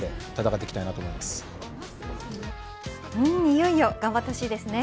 いよいよ。頑張ってほしいですね。